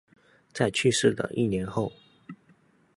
在去世的一年后